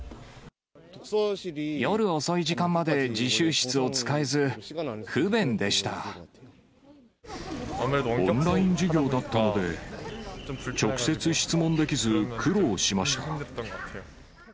夜遅い時間まで自習室を使えオンライン授業だったので、直接質問できず、苦労しました。